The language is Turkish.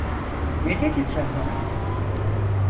Ne dedin sen bana?